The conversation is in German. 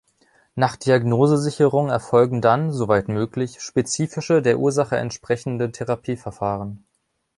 Nach Diagnosesicherung erfolgen dann, soweit möglich, spezifische, der Ursache entsprechende Therapieverfahren.